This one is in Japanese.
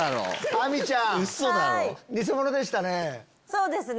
亜美ちゃんニセモノでしたね。